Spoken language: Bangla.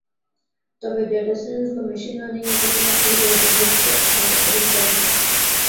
তবে ডেটা সাইন্স বা মেশিন লার্নিং এর ক্ষেত্রে সবথেকে জনপ্রিয় হচ্ছে আর এবং পাইথন।